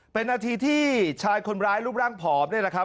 เป็นนาทีที่ชายคนร้ายรูปร่างผอมนี่แหละครับ